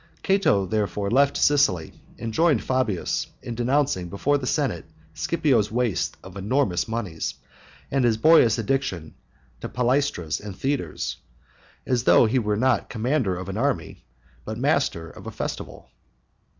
Cato therefore left Sicily, and joined Fabius in denouncing before the Senate Scipio's waste of enormous moneys, and his boyish addiction to palaestras and theatres, as though he were not commander of an army, but master of a festival.